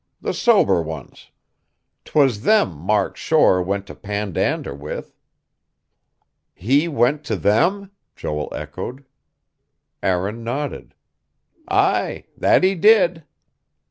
The sober ones. 'Twas them Mark Shore went to pandander with." "He went to them?" Joel echoed. Aaron nodded. "Aye. That he did."